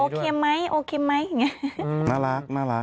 ภาคเชี่ยวโอเคไหมโอเคไหมอย่างนี้